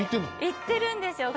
行ってるんですよ。